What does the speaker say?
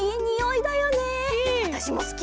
わたしもすき！